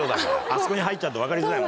あそこに入っちゃうと分かりづらい。